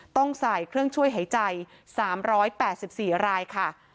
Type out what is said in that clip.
ต้องใส่เครื่องช่วยหายใจ๓๘๔รายค่ะ